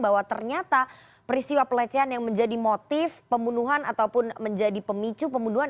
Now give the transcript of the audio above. bahwa ternyata peristiwa pelecehan yang menjadi motif pembunuhan ataupun menjadi pemicu pembunuhan